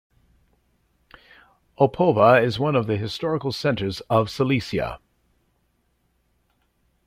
Opava is one of the historical centres of Silesia.